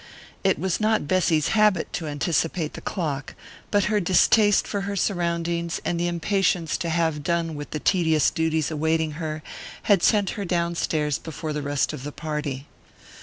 It was not Bessy's habit to anticipate the clock; but her distaste for her surroundings, and the impatience to have done with the tedious duties awaiting her, had sent her downstairs before the rest of the party.